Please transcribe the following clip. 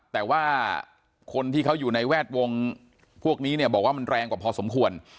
แต่ว่าคนที่เขาอยู่ในแวดวงพวกนี้เนี่ยบอกว่ามันแรงกว่าพอสมควร